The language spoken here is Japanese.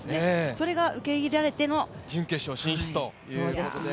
それが受け入れられての準決勝進出ということです。